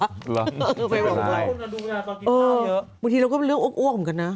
บางทีเราก็เรียกแล้วพูดเยอะกับเรื่องอ้วกอ้วกเหมือนกันน่ะ